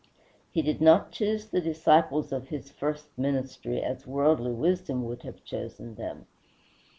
He did not choose the disciples of his first ministry as worldly wisdom would have chosen them.